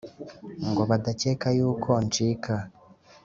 Ngo badakeka yuko ncika